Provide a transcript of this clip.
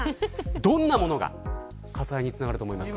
どんなものが火災につながると思いますか。